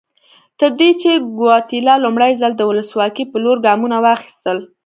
تر دې چې ګواتیلا لومړی ځل د ولسواکۍ په لور ګامونه واخیستل.